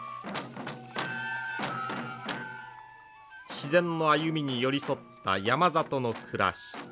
自然の歩みに寄り添った山里の暮らし。